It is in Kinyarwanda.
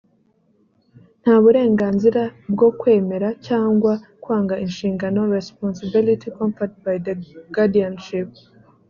nta burenganzira bwo kwemera cyangwa kwanga inshingano responsibility conferred by the guardianship